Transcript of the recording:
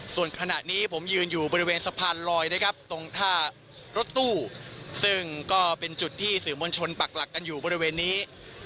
ส่วนขณะนี้ผมยืนอยู่บริเวณสะพานลอยนะครับตรงท่ารถตู้ซึ่งก็เป็นจุดที่สื่อมวลชนปักหลักกันอยู่บริเวณนี้